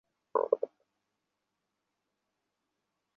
ঠিক আছে, চল বাবা!